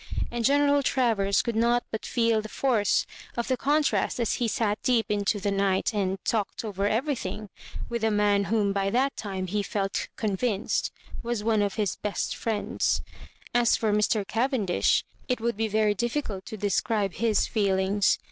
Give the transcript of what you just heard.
And General Travers could not but feel the force of the contrast as he sat deep into the night and " talked over every thing," with the man whom by that time he felt convinced was one of his best friends. As for Mr. Cavendish, it would be very difficult to describe his feelings.